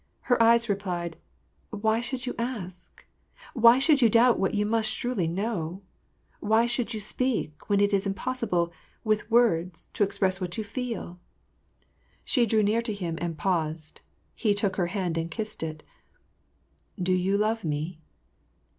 Her eyes replied, " Why should you ask ? Why should you doubt what you must surely know ? Why should you speak, when it is impossible, with words, to express what you feel ?" 232 WAR AXD PEACE She drew near to him, and paused. He took her hand, and kissed it :" Do jou love me